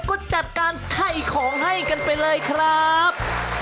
ก็จัดการไถ่ของให้กันไปเลยครับ